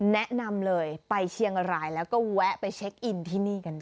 แนะนำเลยไปเชียงรายแล้วก็แวะไปเช็คอินที่นี่กันได้